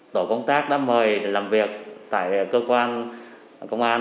tổ công tác đã mời làm việc tại cơ quan công an